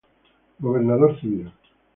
Gobernador Civil".